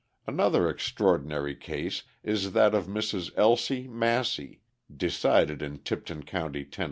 Another extraordinary case is that of Mrs. Elsie Massey, decided in Tipton County, Tenn.